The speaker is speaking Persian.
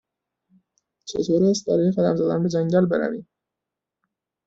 چطور است برای قدم زدن به جنگل برویم؟